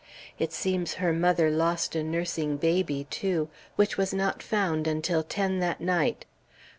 It seems her mother lost a nursing baby, too, which was not found until ten that night.